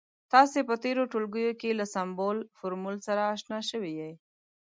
تاسې په تیرو ټولګیو کې له سمبول، فورمول سره اشنا شوي يئ.